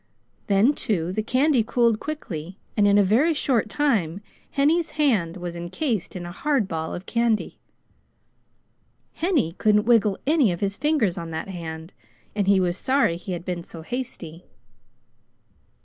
Then too, the candy cooled quickly, and in a very short time Henny's hand was encased in a hard ball of candy. Henny couldn't wiggle any of his fingers on that hand and he was sorry he had been so hasty.